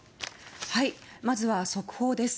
まずは速報です。